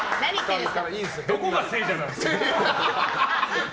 どこが聖者なんですか。